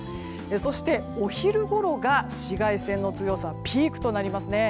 そしてお昼ごろが紫外線の強さピークとなりますね。